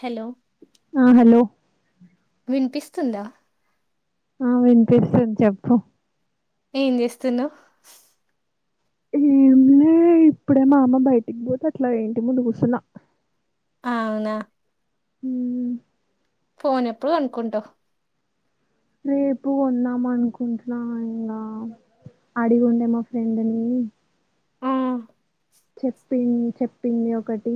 Hello ఉ hello వినిపిస్తుందా ఉ వినిపిస్తుంది చెప్పు ఎం జెస్తున్నవ్ ఏం లే ఇప్పుడే మా అమ్మ బైట్కి పోతే అట్లా ఇంటి ముందు కుసున్న అవునా ఊ ఫోన్ ఎప్పుడు కొన్కుంటవ్ రేపు కొదాంమన్కుటున్నా ఇంగా అడిగి ఉండే మా ఫ్రెండ్ ని అ చెప్పి చెప్పింది ఒకటి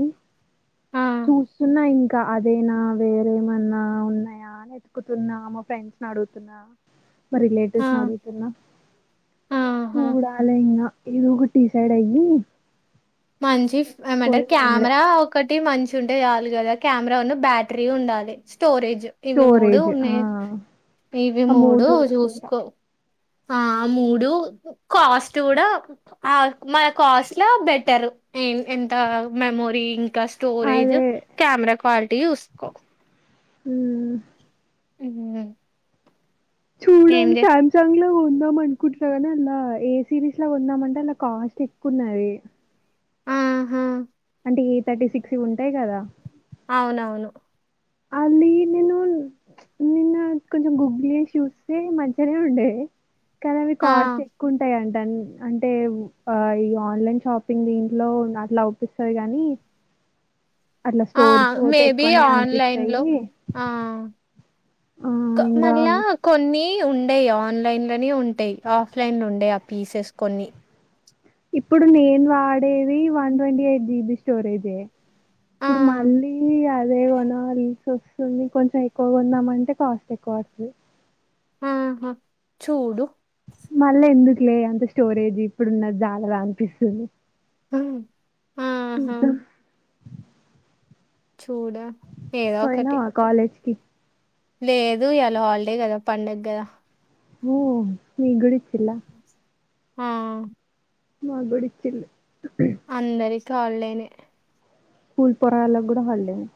ఆ చూస్తున్న ఇం ఇంక అదేనా వేరేమన్నా ఉన్నాయా అనెత్కుతున్నా మా ఫ్రెండ్స్ ని అడుగుతున్నా మా ఆ రిలేటివ్స్ ని అడుగుతున్నా ఆహా చూడాలి ఇంగ ఏదోఒగటి డిసైడ్ అయ్యి మంచి ఇఫ్ ఏమంటారు పోయి కొనుడే క్యమ్రా ఒ ఒక్కటి మంచి ఉంటేచాలు గదా క్యామ్రా ను బ్యాట్రి ఉండాలి స్టోరేజ్ ఇవి మూడు స్టోరేజ్ ఆ ఉన్నయ్ ఇవి ఆ మూడు చూసుకుంటా జూస్కో హ ఆమూడు కాస్ట్ గూడ అ మనకాస్ట్ లో బెటరు ఎం ఎంత మెమోరి ఇంకా స్టోరేజు అదే క్యామ్రా క్వాలిటీ వుస్కో హు ఇంగా చూడాలి సామ్ స సంగ్లో కొందాం కొందామన్కుటున్నా కని నా ఏ సిరీస్ లా కొందామంటే లా కాస్ట్ ఎక్కువన్నది ఆహ టి థర్టీసిక్స్ ఇవుంటయ్ కదా అవునవును అల్లి నేను నిన్న కొంచెం గుగ్లీస్ వస్తే మజ్జనే ఉండే కానీ అవి ఆ కాస్ట్ ఎక్కువ ఉంటాయంట అన్ని అంటే ఉ అ ఈఆన్లైన్ షాపింగ్ దీంట్లో ఇంగ అట్లా ఒప్పిస్తది గాని అట్లా ఆ స్టోర్కి పోతే మేబి ఎక్కువనే ఆన్లైన్లో అన్పిస్తయి క ఇంగా మల్ల కొన్ని ఉండైయి ఆన్లైన్లోనే ఉంటయ్ ఆఫ్ లైన్లో ఉండైయి అ పీసెస్ కొన్ని ఇప్పుడు నేను ఆడేది వన్ ట్వంటీఎయిట్ జీబి స్టోరేజే ఆ ఇప్పుడు మళ్ళీ అదే కొనాలి స్సొస్తుంది కొంచెం ఎక్కువగా కొందామంటే కాస్ట్ ఎ క్వాస్ట్లీ ఆహ చూడు మళ్ళీ ఎందుకులే అంత స్టోరేజీ ఇప్పుడున్నది జాలదా అన్పిస్తుంది అ ఇంక చూడ పోయినవా కాలేజ్కి లేదు ఈయాళ హాల్డే కదా పండగదా ఊ మీగుడిచ్చిల్ల ఆ మా గుడికి ఇచ్చింది ఉహ్ అందరికి హాలిడే నే స్కూల్ పోరగల్లాకి కూడా హాలిడేనే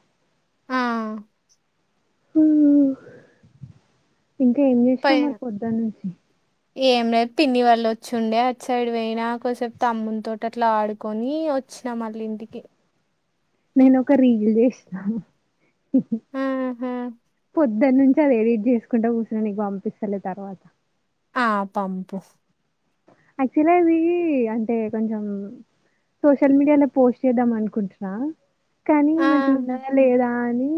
ఆ ఇంకా ఏం చేసినావు పైన మరి పొద్దుటీ నుంచి [inaudible] ఏం లేదు పిన్ని వాళ్ళు వచ్చుండే అది సైడ్ పోయినా కొసేపు తమ్ముని తో అట్లా ఆడుకొని వచ్చినా మళ్ళీ ఇంటికి నేను ఒక రీల్ చేసినా ఆహా పొద్ దాని నుంచి అది ఎడిట్ చేసుకుంట కూసున్న నీకు పంపిస్తలే తర్వాత ఆ పాంపు యాక్చువల్గా అది అంటే అది కొంచెం సోషల్ మీడియాలో పోస్ట్ చేద్దాం అనుకుంటున్నా కానీ మంచిగా ఆహా! ఉన్నదా లేదా అని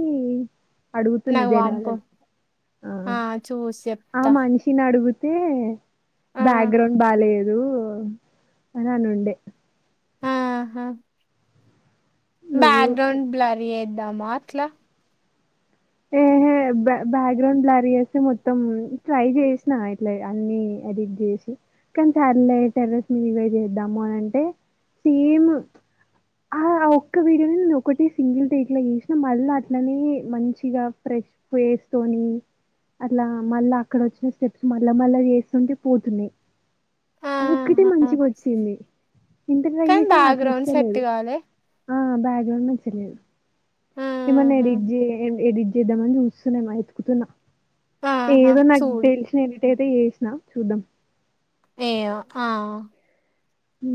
అడుగుతున్న నాకు పంపు. జనాలను ఆ చూసి ఆ చెప్తా. మనిషి నేను అడుగుతే ఆ! బ్యాక్గ్రౌండ్ బాలేదు. అనీ అని ఉండే ఆహా నువ్వు బ్యాక్గ్రౌండ్ బ్లర్ చెద్దామా అట్లా ఏహే బ్యాక్గ్రౌండ్ బ్లర్ చేస్తే మొత్తము మొత్తం ట్రై చేసిన ఇట్లా అన్ని ఎడిట్ చేసి కానీ [unintelligible] మీదకి పోయి చేద్దాము. అనింటే సేమ్ ఆ ఒక్క వీడియోని నేను ఒకటి సింగిల్ టేక్ లా చేసినా మళ్ళ అట్లనే మంచి ఇగా ఫ్రెష్ ఫేస్ తోనీ అట్లా మళ్ళా అక్కడ వచ్చిన స్టెప్స్ మళ్ళా మళ్ళా చేస్తుంటే పోతున్నాయి అది ఒక్కటె ఆహా! మంచిగా వచ్చింది. ఏంత ట్రై కానీ చేసినా అట్ల బ్యాక్‌గ్రౌండ్ సెట్ వస్తలేదు కాలే. ఆ బ్యాక్గ్రౌండ్ నాచ్చలేదు ఏమన్నా ఆహా! ఏడిట్ జె ఏడిట్ పెద్ద మంది చూస్తున్నామా ఎతుకుతున్నా ఆహా! ఏదో నాకు చూడు. తెలిసి నేనట్ట ఆయితే చేసినా చూద్దాం ఏమే ఆ హ్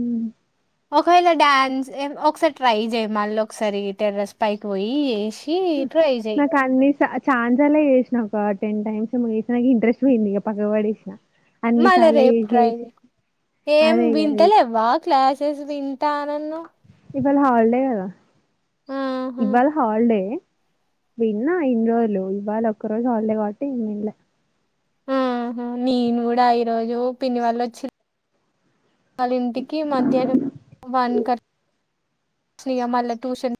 ఒకవేళ డాన్స్ ఒకసారి ట్రై చేయి మళ్ళీ ఒకసారి టెర్రస్ పైకి పోయి ట్రై చేయి. నాకు అన్ని స ఛాన సార్లు చేేసినా ఒక టెన్ టైమ్స్ చేసిన ఇంట్రెస్ట్ పోయింది. ఇగా పక్కకు పడి వేసిన మళ్ళ రేపు ట్రై చేయి ఏం అదే ఇగ రేపు తింటలేవ్వ క్లాసెస్ వింటా ఆన్నవు ఇవాళ హాల్డే గాద ఆహా! ఇవాళ హల్డే విన్నా ఇన్ని రోజులు ఇవాళ ఒక్క రోజు హాలిడే కాబట్టి ఇంగ విన్లే ఆహా నేను కూడా ఈ రోజు పిన్ని వాళ్ళు వచ్చి వాలింటికి మధ్యాహ్నం వన్ అట్లా వచ్చిన ఇగ మళ్ళ ట్యూషన్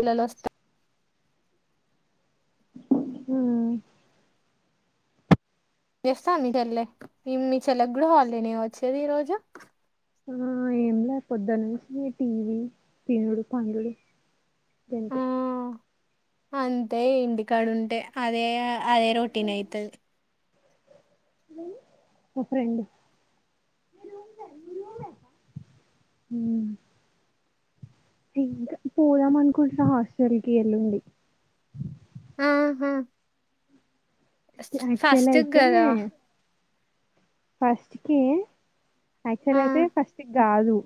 పిల్లలు వస్తారు ఆ చేస్తుంది మీ చెల్లే నేను మీ చెల్ల కూడా హాలిడేనే వచ్చేది ఈ రోజు ఆ ఏం లేకపోద్దు నుంచి టీవీ తినుడు పండుడు ఆ దంటే అంతే ఇంటికాడుంటే అదే అదే రొటీన్ అయితది ఒ ఫ్రెండ్ మ్ ఇంకా పోదాం అనుకుంటున్న హాస్టల్ కి ఎల్లుండి ఆహా యాక్చువల్ ఫస్ట్ అయితే గదా ఫస్టే యాక్చువల్ ఆ అయితే ఫస్ట్కి గాదు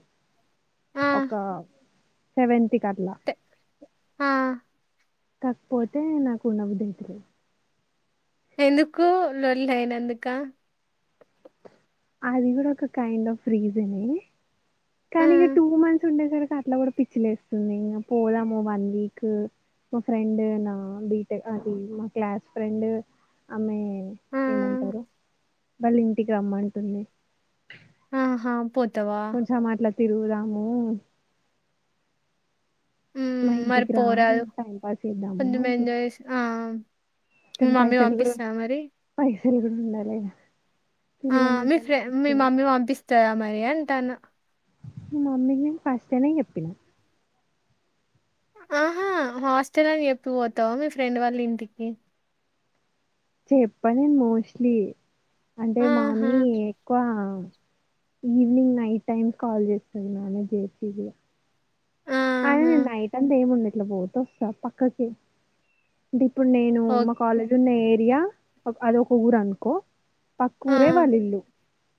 ఆ ఒక సెవెంటీ కట్ల తే ఆ కాకపోతే నాకు ఉండబుద్ది అయితలేదు ఎందుకు లోల్లి అయినందుకా అది కూడా ఒక కైండ్ ఆఫ్ రీజనే ఆ కానీ ఇగ టూ మంత్స్ ఉంటే కానుక అట్లా కూడా పిచ్చిలేస్తుంది ఇగా పోదాము వన్ వీక్ మా ఫ్రెండ్ నా బీటెక్ అది మా క్లాస్ ఫ్రెండ్ ఆమె ఆ ఏమంటారు వాళ్ళ ఇంటికి రమ్మంటుంది ఆహా పోతావా చ మట్లా తిరుగుదాము మా మ్ మరి ఇంటికి రా పోరాదు టైం పాస్ చేద్దాము కొంచెం అంటుంది ఎంజాయ్ చేసి ఆ మీ కానీ మమ్మీ పైసలు కూడా పంపిస్తద మరి పైసలు కూడా ఉండాలె ఆ మీ ఫ్రె మీ మమ్మీ పంపిస్తదా మరి అంటాన్న మ మ్మీకి ఫస్ట్ నే చెప్పినా ఆహా హాస్టల్ అని చెప్పిపోతావా మీ ఫ్రెండ్ వాళ్ళ ఇంటికి చెప్పనే మోస్ట్లీ అంటే ఆహా! మామ్మీ ఎక్కువ ఈవినింగ్ నైట్ టైమ్ కాల్ చేస్తది [unintelligible] ఆహా! అదేనండి నైట్ అంతా ఏముంది ఇట్లా పోటోస్ వస్తా పక్కకి అంటే ఇప్పుడు నేను ఓక్ కాలేజ్ ఉన్న ఏరియా అద ఒక ఊరు అనుకో ఆ! పక్కూరే వాళ్ళ ఇల్లు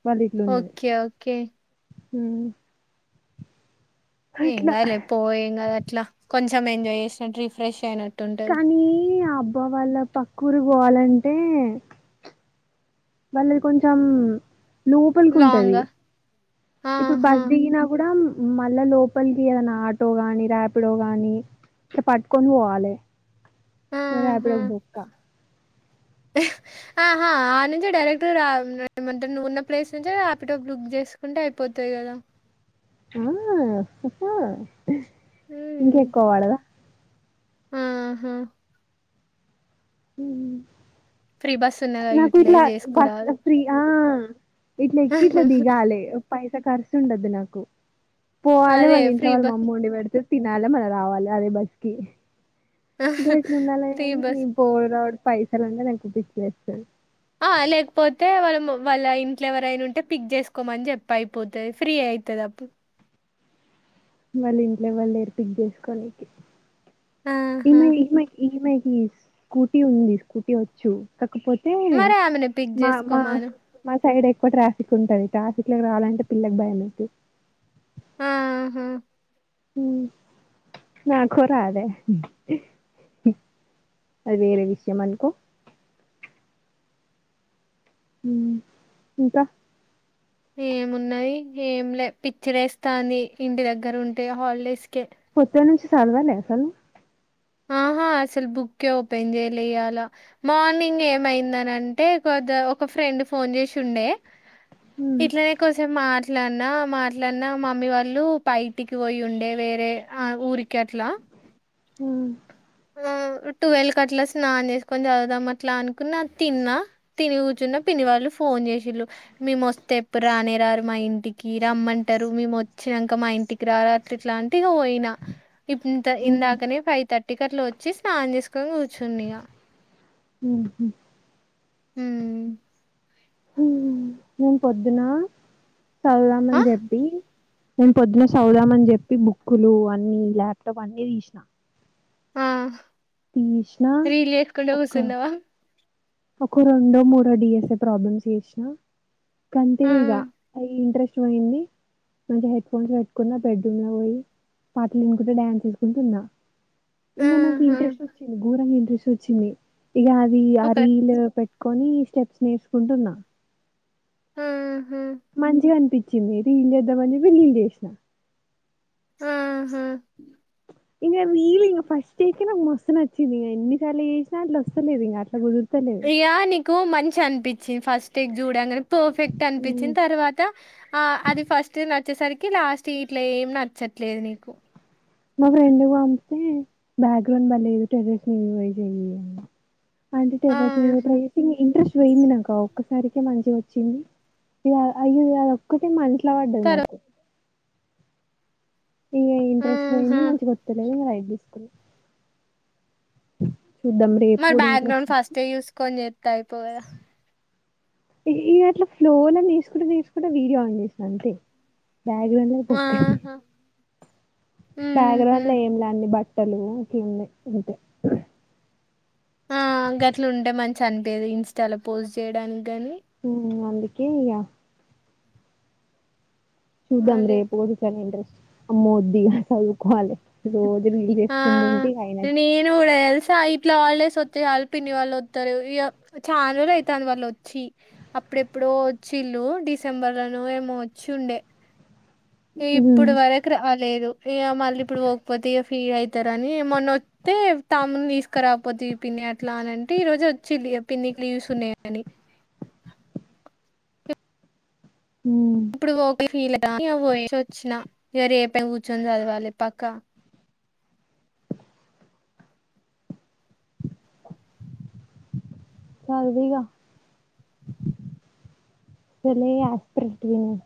వాళ్ళ ఇల్లులున్నాయి ఓకే. ఓకే. ఏం కాలే పో ఏం కాదు అట్లా కొంచెం ఎంజాయ్ చేసినట్టు రిఫ్రెష్ అయినట్ కానీ ఆ అబ్బా వాళ్ళ పక్కుఊరు పోవాలంటే వాళ్ళది కొంచం లోపలికి ఉంటంది లాంగా? ఇప్పుడు ఆహా! బస్ దిగినా కూడా మళ్ళా లోపలికి ఏదైనా ఆటో గాని ర్యాపిడో గాని ఇ పట్టుకొని పొవాలె ఆహ ఆహా ఆ నుంచి డైరెక్ట్వు న నువ్వున్నట్టు ప్లేస్ నుంచే ర్యాపిటా ప్ బుక్ చేసుకుంటే అయిపోతది కదా ఆ అహా హ్మ్. ఇంకెక్కవ పడదా ఆహా మ్ ఫ్రీ బస్ ఉన్నగా నాకు ఇట్లా యూటిలైజ్ బస్ చేసుకోరాదు. ఫ్రీ ఆ ఇట్లా ఎక్కి ఇట్లా దిగాలె పైస ఖర్సు ఉండద్దు నాకు పోవాలి అదే వాళ్ళ ఇంట్లో ఫ్రీ బస్ వాళ్ళ మమ్ వండి పెడితే తిన్నాలె మళ్ళా రావాలి అదే బస్కీ గట్లు ఉండాల ఫ్రీ కానీ బస్ బోర్ రావుడ్ పైసలు అంటే నాకు పిచ్చిలెస్తది ఆ లేకపోతే వాళ్ళ మ వాళ్ళ ఇంట్ల ఎవరైనా ఉంటే పిక్ చేసుకోమని చెప్ప అయిపోతది ఫ్రీ అయితది అప్పు వాళ్ళ ఇంట్లో ఎవలు లేరు పిక్ జేసుకోనికి ఆహా ఈమే ఈమై ఈమెకి స్కూటీ ఉంది. స్కూటీ ఒచ్చు కాకపోతే మరి ఆమెనె పిక్ మా మా జేసుకోమను. మా సైడ్ ఎక్కువ ట్రాఫిక్ ఉంటది. ట్రాఫిక్ లోకి రావాలంటే పిల్లకి భయమైతది ఆహా ఊ నాకో రాదయె అది ఏరె విషయమనుకో ఊ ఇంకా ఏమున్నది? ఏం లే, పిచ్చి లేస్తాంది. ఇంటి దగ్గర ఉంటే హాల్ డేస్ కే. పొద్దన్నుంచి సదువలే అసలు? ఆహా, అసలు బుక్కే ఓపెన్ జెయ్యలే ఇయ్యాలా. మార్నింగ్ ఏమైందని అంటే కొద్దా ఒక ఫ్రెండ్ ఫోన్ జేసి ఉండే. హ్మ్ ఇట్లే కొద్దిసేపు మాట్లాడినా మాట్లాడిన మమ్మీ వాళ్ళు పైటికి బొయి ఉండే వేరే ఆ ఊరి కేట్లా ఉమ్ ఉ ట్వెల్వ్ కి అట్లా స్నానం జేసుకొని, జదువుదాం అట్లా అనుకున్న తిన్నా. తిన్ని గూచున్నా, పిన్ని వాళ్ళు ఫోన్ జేసిళ్ళు. మేమొస్తే ఎప్పుడు రానే రారు మా ఇంటికి రమ్మంటరు మేము ఒచ్చినంక మా ఇంటికి. రాదట్ల ఇట్ల అంటే ఇగ బొయినా. ఇప్పుంత హ్మ్ ఇందాకనే ఫైవ్ థర్టీకి అట్ల ఒచ్చి స్నాన్ జేసుకొని గూచున్న ఇగా. ఊహు మ్ మ్ నేను పొద్దునా ఆ చదువుదామని జెప్పీ నేన్ పొద్దున సదువుదామని జెప్పి, బుక్కులూ అన్ని, ల్యాప్టాప్ అన్నీ దీసినా. ఆహ్ తీసిన రీల్ జేసుకుంట ఒక గూసున్నవా? ఒక రెండో, మూడో డిఎస్ఏ ప్రాబ్లమ్స్ జేసిన కంతే ఆ ఇగ అయీ ఇంట్రెస్ట్ బొయింది. మంచి హెడ్ ఫోన్స్ బెట్టుకున్న బెడ్రూమ్ లో బొయి, పాటలు వినుకుంట డాన్స్ జేసుకుంటు ఉన్న. ఇంగ నాకు ఆహా ఇంట్రెస్ట్ ఒచ్చింది. ఘోరంగా ఇంట్రెస్ట్ ఒచ్చింది. ఇగ అదీ ఆ ఒక రీల్ పెట్. కొనీ స్టెప్స్ నేర్చుకుంటున్న ఆహ మంచిగా అనిపిచ్చింది. రీల్ జేద్దామని రీల్ జేసిన ఆహా ఇగ రీల్ ఇగ ఫస్ట్ ఐతే నాకు మస్తు నచ్చింది. ఎన్నిసార్లు జేసినా అట్ల ఒస్తలేదు. ఇంగ అట్ల కుదురు ఇగా నీకు మంచిగ అనిపిచ్చింది. ఫస్ట్ ఇది జూడంగనె పర్ఫెక్ట్ హ్మ్. అనిపిచ్చింది తర్వా త ఆ అది ఫస్ట్ నచ్చేసరికి లాస్ట్ ఇట్ల ఏం నచ్చట్లేదు నీకు మా ఫ్రెండ్గానికి బ్యాక్గ్రౌండ్ బలేదు టెరెస్ నివై అ ఆంటి తేపకూ ఆహా ట్రై ఇగ ఇంట్రెస్ట్ బొయిందినంక ఒక్కసారికి మంచిగ ఒచ్చింది. ఇది ఆ అయ్యి యాలక్ ఒక్కటే మా ఇంట్లా వడ్డది తర్వా నాకు. ఇగ ఇంట్రెస్ట్ బొయింది. ఆహా మంచిగ ఒత్తలేదు ఇగ లైట్ దీసుకున్న. చూద్దాం రే మరి బ్యాక్గ్రౌండ్స్ ఫస్టే జూసుకొని జేత్తే, అయిపోవు గదా. ఇ ఇగ అట్లా ఫ్లోల దీసుకుంట దీసుకుంట వీడియో ఆన్ జేసిన అంతే, బ్యాక్గ్రౌండ్ లో బుక్ అయిన ఆహా బ్యాక్ గ్రౌండ్ మ్మ్ఉహ్మ్ లో ఏం లే అండి బట్టలు కిందే అంతే ఆ గట్లుంటే మంచిగా అనిపియదు ఇన్స్టాలో పోస్ట్ చేయడానికి గాని ఉ అందుకే ఇగ చూదం రే అదే ప్ పోడుకన ఇంటరెస్ట్ అమ్మో ఒద్దు ఇగ చదుకోవాలి రోజు రీల్ చేసుకుంట ఉంటే ఇగ అయినట్ నువ్వు కూడా తెల్సా ఇట్లా హాల్ డేస్ ఓత్తే చాలు పిన్ని వల్లోత్తరు ఇగ చాన్ రోజులైతాంది వాళ్ళొచ్చి అప్పుడెప్పుడోవచ్చిల్లుు డిసెంబర్ లోనో ఏమో వచ్చి ఉండే ఇగ ఇప్పుడు వరకు రాలేదు ఇగ మళ్ళీ ఇప్పుడు పోకపోతే ఇగ ఫీల్ అవుతారని మొన్న తే తమ్ముడిని తీసుకరాకపోతివి పిన్ని అట్లా అనంటే ఈ రోజు వచ్చింది పిన్నికి లీవస్ ఉన్నాయని ఉమ్ ఇప్పుడు కోక ఫీల్ అని పోయేసోచ్చినా ఇగా రేపే కూర్చొని చదవాలి పక్క చూదువిగా సలే ఆస్ప్రిట్ నువ్